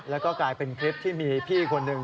แล้วก็กลายเป็นคลิปที่มีพี่คนหนึ่ง